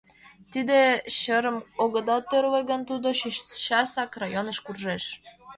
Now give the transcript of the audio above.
Тиде чырым огыда тӧрлӧ гын, тудо чечасак районыш куржеш!